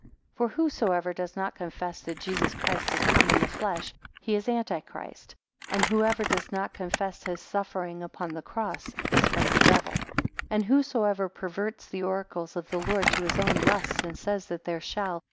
FOR whosoever does not confess that Jesus Christ is come in the flesh, he is Antichrist: and whoever does not confess his suffering upon the cross, is from the devil. 2 And whosoever perverts the oracles of the Lord to his own lusts, and says that there shall.